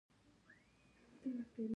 • سترګې د لیدلو لپاره اساسي ابزار دي.